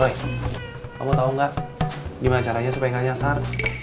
doi kamu tau gak gimana caranya supaya gak nyasar